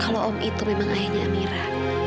kalau om itu memang ayahnya mira